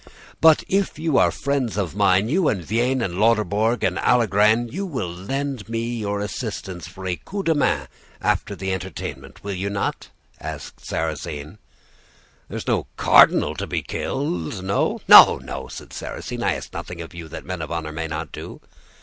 "'But if you are friends of mine, you and Vien and Lauterbourg and Allegrain, you will lend me your assistance for a coup de main, after the entertainment, will you not?' asked Sarrasine. "'There's no cardinal to be killed? no ?' "'No, no!' said Sarrasine, 'I ask nothing of you that men of honor may not do.